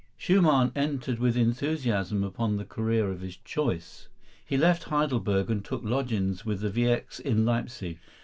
] Schumann entered with enthusiasm upon the career of his choice. He left Heidelberg and took lodgings with the Wiecks in Leipsic.